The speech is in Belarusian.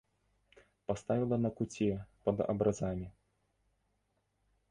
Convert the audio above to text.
Паставіла на куце пад абразамі.